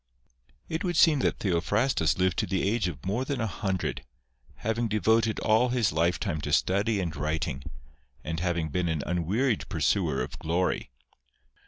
It would seem that Theophrastus lived to the age of more than a hundred, having devoted all his lifetime to study and writing, and having been an unwearied pursuer o: glory.